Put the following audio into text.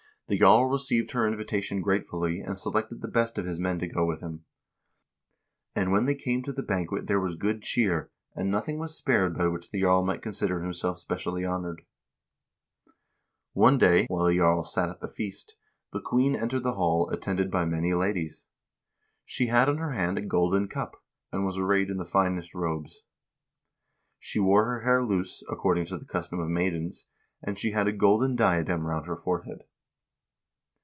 The jarl received her invitation gratefully, and selected the best of his men to go with him. And when they came to the banquet there was good cheer, and nothing was spared by which the jarl might consider himself specially honored. One day, while the jarl sat at the feast, the queen entered the hall, attended by many ladies. She had in her hand a golden cup, and was arrayed in the finest robes. She wore her hair loose, according to the custom of maidens, and she had a golden diadem round her forehead.